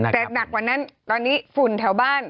แต่หนักกว่านั้นตอนนี้ฝุ่นแถวบ้าน